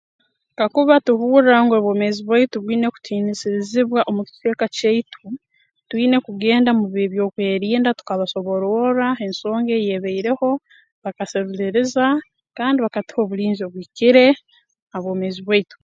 Kakuba tuhurra ngu obwomeezi bwaitu bwine kutiinisizibwa omu kicweka kyaitu twine kugenda mu beby'okwerinda tukabasobororra ensonga eyeebaireho bakaseruliriza kandi bakatuha obulinzi obuhikre ha bwomeezi bwaitu